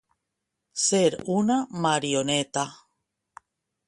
Ser una marioneta.